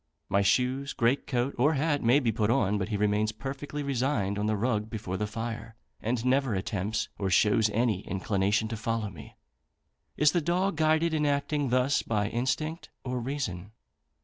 My shoes, great coat or hat, may be put on, but he remains perfectly resigned on the rug before the fire, and never attempts or shows any inclination to follow me. Is the dog guided in acting thus by instinct or reason?